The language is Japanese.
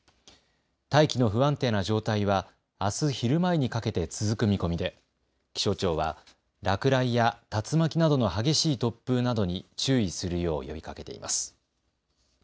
大気の不安定な状態はあす昼前にかけて続く見込みで気象庁は落雷や竜巻などの激しい突風などに注意するよう呼びかけています。